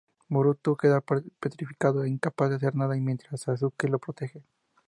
Boruto queda petrificado e incapaz de hacer nada, mientras que Sasuke lo protege.